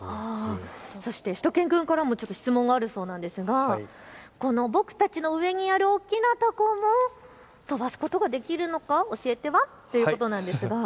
そしてしゅと犬くんからも質問があるそうなんですが僕たちの上にある大きなたこ、飛ばすことができるのか教えてワンということなんですが。